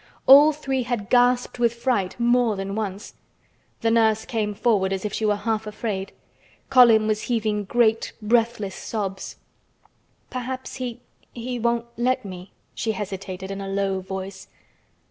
All three had gasped with fright more than once. The nurse came forward as if she were half afraid. Colin was heaving with great breathless sobs. "Perhaps he—he won't let me," she hesitated in a low voice.